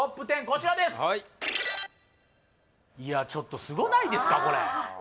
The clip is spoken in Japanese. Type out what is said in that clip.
こちらですちょっとすごないですかこれ？